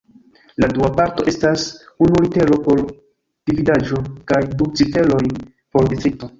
La dua parto estas unu litero por dividaĵo kaj du ciferoj por distrikto.